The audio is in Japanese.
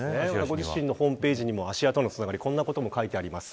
ご自身のホームページにも芦屋市とのつながりをこんなことを書いています。